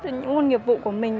những nguồn nghiệp vụ của mình